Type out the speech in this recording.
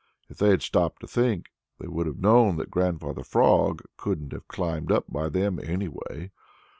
If they had stopped to think, they would have known that Grandfather Frog couldn't have climbed up by them, anyway.